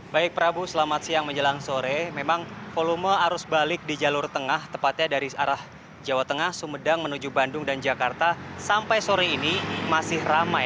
baik prabu selamat siang menjelang sore memang volume arus balik di jalur tengah tepatnya dari arah jawa tengah sumedang menuju bandung dan jakarta sampai sore ini masih ramai